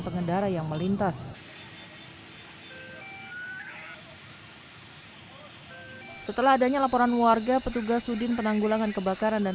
pengendara yang melintas setelah adanya laporan warga petugas sudin penanggulangan kebakaran dan